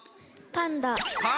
パンダ！